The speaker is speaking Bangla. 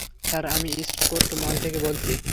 স্যার, আমি ইস্ট কোস্ট মল থেকে বলছি।